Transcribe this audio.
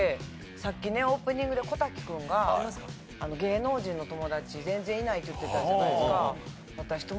さっきねオープニングで小瀧君が芸能人の友達全然いないって言ってたじゃないですか。